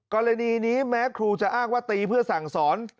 กรณีนี้แม้ครูจะอ้างว่าตีเพื่อสั่งสอน